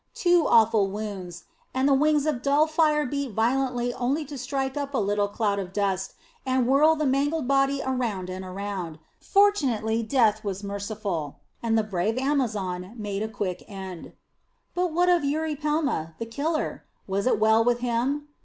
Two awful wounds, and the wings of dull fire beat violently only to strike up a little cloud of dust and whirl the mangled body around and around. Fortunately Death was merciful, and the brave amazon made a quick end. But what of Eurypelma, the killer? Was it well with him?